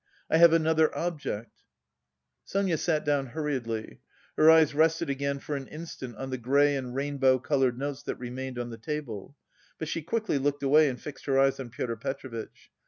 I have another object." Sonia sat down hurriedly. Her eyes rested again for an instant on the grey and rainbow coloured notes that remained on the table, but she quickly looked away and fixed her eyes on Pyotr Petrovitch.